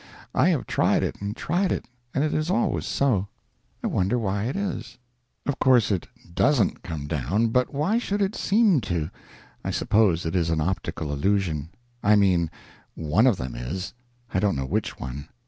I have tried it and tried it, and it is always so. I wonder why it is? Of course it doesn't come down, but why should it _seem _to? I suppose it is an optical illusion. I mean, one of them is. I don't know which one.